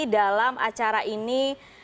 dalam acara ini